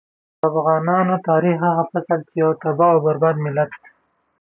د افغان تاريخ هغه فصل چې يو تباه او برباد ملت.